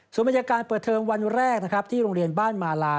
สมบัติการปะเทิงวันแรกที่โรงเรียนบ้านมาลา